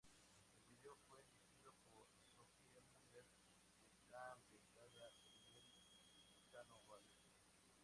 El video fue dirigido por Sophie Muller y está ambientada en el lejano Oeste.